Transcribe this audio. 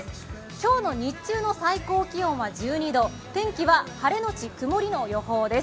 今日の日中の最高気温は１２度、天気は晴れのち曇りの予報です。